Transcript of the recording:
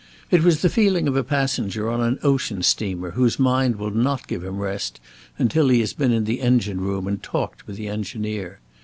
It was the feeling of a passenger on an ocean steamer whose mind will not give him rest until he has been in the engine room and talked with the engineer.